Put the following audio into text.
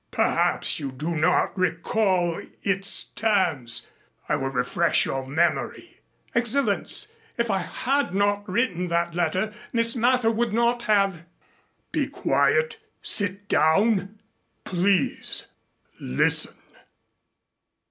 Perhaps you do not recall its terms. I will refresh your memory." "Excellenz, if I had not written that letter Miss Mather would not have " "Be quiet. Sit down. Please listen.